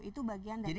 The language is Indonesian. itu bagian dari